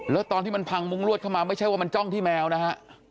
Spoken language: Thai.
แล้วตอนที่มันพังมุ้งลวดเข้ามาไม่ใช่ว่ามันจ้องที่แมวนะฮะ